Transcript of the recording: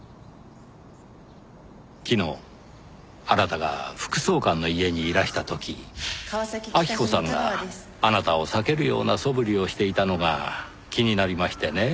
昨日あなたが副総監の家にいらした時晃子さんがあなたを避けるようなそぶりをしていたのが気になりましてねぇ。